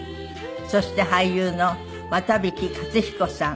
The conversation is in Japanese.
そして俳優の綿引勝彦さん。